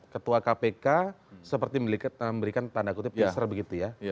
kepada kpk seperti memberikan tanda kutip pingser begitu ya